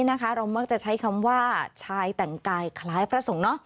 เรามักจะใช้คำว่าชายแต่งกายคล้ายพระสงฆ์